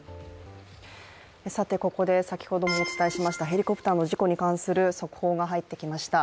ここで先ほどお伝えしましたヘリコプターの事故に関する速報が入ってきました。